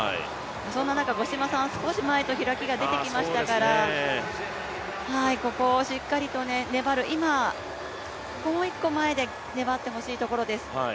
そんな中、五島さんは少し前と開きが出てきましたから、ここ、しっかりと粘る、今、もう一個前で粘ってほしいところです。